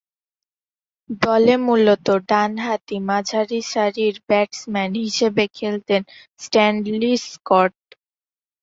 দলে মূলতঃ ডানহাতি মাঝারিসারির ব্যাটসম্যান হিসেবে খেলতেন স্ট্যানলি স্কট।